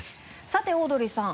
さてオードリーさん。